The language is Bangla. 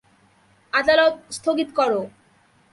আদালত স্থগিত করো।